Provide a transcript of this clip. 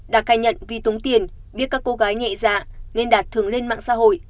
đạt khai nhận vì tống tiền biết các cô gái nhẹ dạ nên đạt thường lên mạng xã hội